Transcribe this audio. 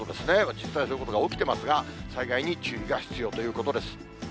実際、そういうことが起きてますが、災害に注意が必要ということです。